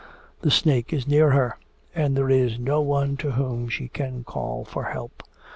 The snake is near her, and there is no one to whom she can call for help.